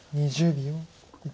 ２０秒。